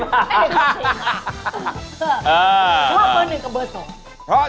เพราะว่าเบอร์หนึ่งกับเบอร์สอง